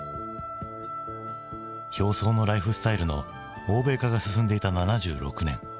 表層のライフスタイルの欧米化が進んでいた７６年。